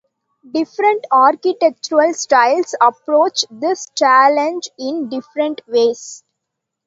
Different architectural styles approach this challenge in different ways.